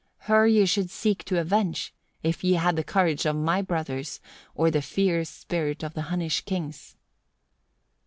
Her ye should seek to avenge, if ye had the courage of my brothers, or the fierce spirit of the Hunnish kings."